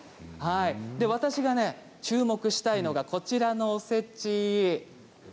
私が注目したいのがこちらのおせちです。